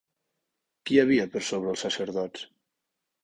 Qui hi havia per sobre els sacerdots?